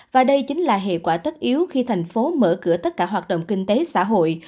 và đây chính là hệ quả tất yếu khi thành phố mở cửa tất cả hoạt động kinh tế xã hội